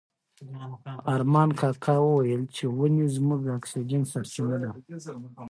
ارمان کاکا وویل چې ونې زموږ د اکسیجن سرچینه ده.